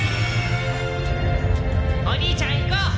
お兄ちゃん行こう！